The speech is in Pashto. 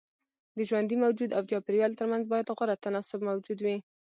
د ژوندي موجود او چاپيريال ترمنځ بايد غوره تناسب موجود وي.